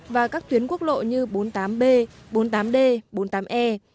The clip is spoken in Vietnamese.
và các tuyến quốc lộ như bốn mươi tám b bốn mươi tám d bốn mươi tám e